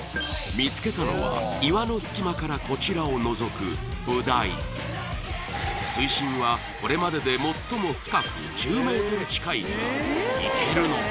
見つけたのは岩の隙間からこちらをのぞくブダイ水深はこれまでで最も深く１０ｍ近いがいけるのか？